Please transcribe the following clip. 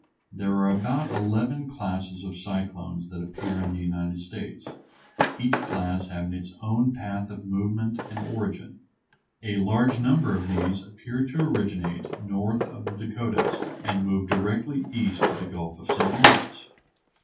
There are about eleven classes of cyclones that appear in the United States, each class having its own path of movement and origin. A large number of these appear to originate north of the Dakotas, and move directly east to the Gulf of St. Lawrence.